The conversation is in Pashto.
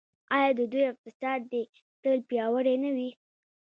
آیا د دوی اقتصاد دې تل پیاوړی نه وي؟